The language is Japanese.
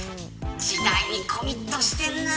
時代にコミットしてるな。